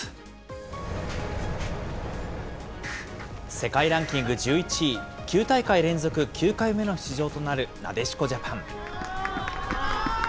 世界ランキング１１位、９大会連続９回目の出場となるなでしこジャパン。